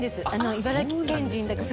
茨城県人だから。